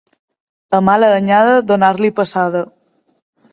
A mala anyada, donar-li passada.